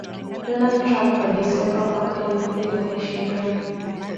Donald Trump wa Disemba mwaka elfu mbili na ishirini